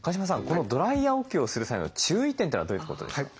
このドライヤーお灸をする際の注意点というのはどういうことですか？